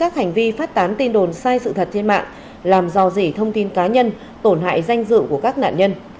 các hành vi phát tán tin đồn sai sự thật trên mạng làm dò dỉ thông tin cá nhân tổn hại danh dự của các nạn nhân